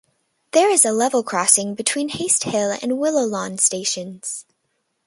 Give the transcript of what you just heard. There is a level crossing between Haste Hill and Willow Lawn stations.